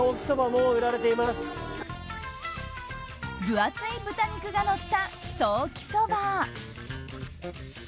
分厚い豚肉がのったソーキそば。